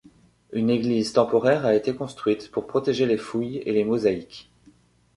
Une église temporaire a été construite pour protéger les fouilles et les mosaïques.